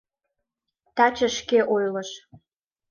Таче шке ойлыш.